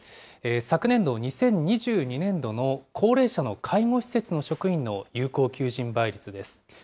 昨年度・２０２２年度の高齢者の介護施設の職員の有効求人倍率です。